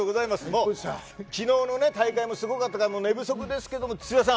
昨日の大会もすごかったから寝不足ですけども土田さん。